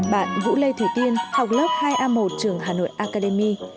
bạn vũ lê thủy tiên học lớp hai a một trường hà nội academy